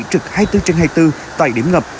trực hai mươi bốn trên hai mươi bốn tại điểm ngập